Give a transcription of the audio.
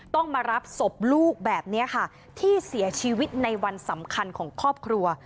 ต้องมารับศพลูกแบบนี้ค่ะที่เสียชีวิตในวันสำคัญของครอบครัว